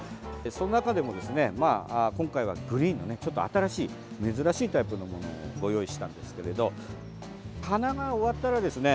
その中でも今回はグリーンのねちょっと新しい珍しいタイプのものをご用意したんですけれど花が終わったらですね